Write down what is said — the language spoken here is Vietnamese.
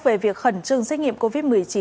về việc khẩn trương xét nghiệm covid một mươi chín